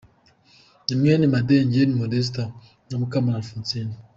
Ni mwene Madengeri Modeste na Mukamurara Alphonsine.